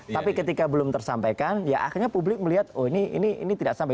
tapi ketika belum tersampaikan ya akhirnya publik melihat oh ini tidak sampai